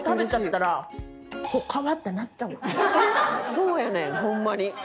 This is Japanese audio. そうやねんホンマに」